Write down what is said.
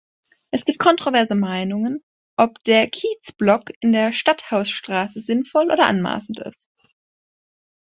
Es gibt kontroverse Meinungen, ob der Kiezblock in der Stadthausstraße sinnvoll oder anmaßend ist.